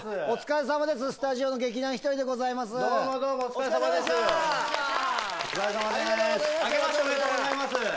お疲れさまです、スタジオの劇団ひとりでございます。